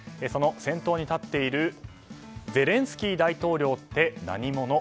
その先頭に立っているゼレンスキー大統領って何者？